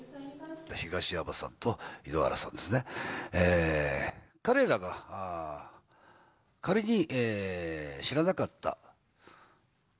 東山さんと井ノ原さんですね、彼らが仮に知らなかった。